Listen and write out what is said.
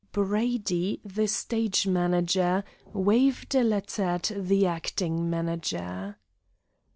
Brady, the stage manager, waved a letter at the acting manager.